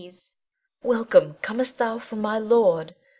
] Welcome! comest thou from my lord?